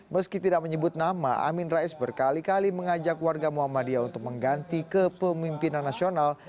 meski tidak menyebut nama amin rais berkali kali mengajak warga muhammadiyah untuk mengganti kepemimpinan nasional